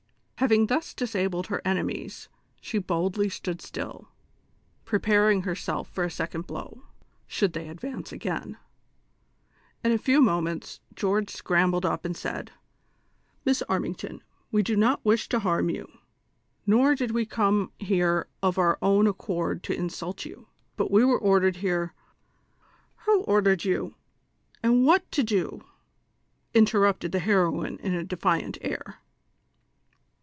Having thus disabled her enemies, she boldly stood stdl, preparing herself for a second blow, should they advance again ; in a few moments George scrambled up and said : "Miss Armington, we do not wish to harm you, nor did we come here of our own accord to insult you ; but we were ordered here "— "Who ordered you, and what to do?" interrupted the heroine in a defiant air.